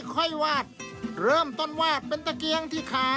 ค่อยวาดเริ่มต้นวาดเป็นตะเกียงที่ขา